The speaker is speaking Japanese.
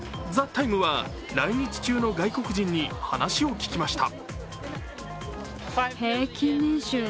「ＴＨＥＴＩＭＥ，」は、来日中の外国人に話を聞きました。